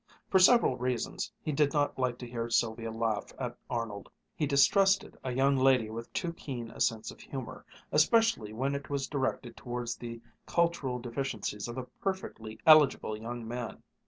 For several reasons he did not like to hear Sylvia laugh at Arnold. He distrusted a young lady with too keen a sense of humor, especially when it was directed towards the cultural deficiencies of a perfectly eligible young man.